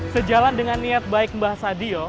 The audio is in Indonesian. sejalan dengan niat baik mbah sadio